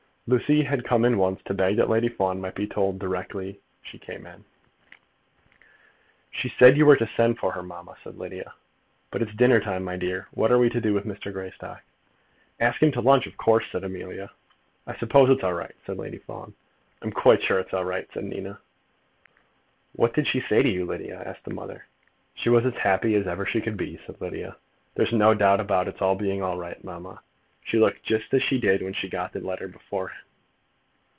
Lucy had come in once to beg that Lady Fawn might be told directly she came in. "She said you were to send for her, mamma," said Lydia. "But it's dinner time, my dear. What are we to do with Mr. Greystock?" "Ask him to lunch, of course," said Amelia. "I suppose it's all right," said Lady Fawn. "I'm quite sure it's all right," said Nina. "What did she say to you, Lydia?" asked the mother. "She was as happy as ever she could be," said Lydia. "There's no doubt about its being all right, mamma. She looked just as she did when she got the letter from him before."